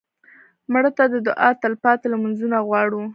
مړه ته د دعا تلپاتې لمونځونه غواړو